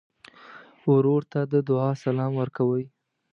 ورور ته د دعا سلام ورکوې.